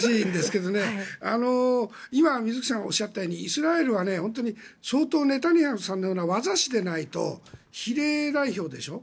今、水口さんがおっしゃったようにイスラエルは相当ネタニヤフさんのような業師でないと比例代表でしょ。